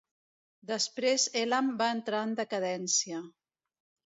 Després Elam va entrar en decadència.